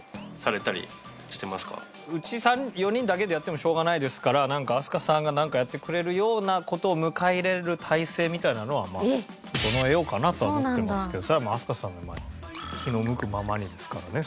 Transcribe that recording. うち４人だけでやってもしょうがないですから飛鳥さんがなんかやってくれるような事を迎え入れる態勢みたいなのはまあ整えようかなとは思ってますけどそれはもう飛鳥さんの気の向くままにですからね。